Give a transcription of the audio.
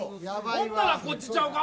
それなら、こっちちゃうか。